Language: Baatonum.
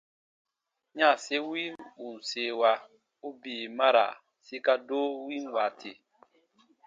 Yanse wi ù n seewa u bii mara sika doo win waati.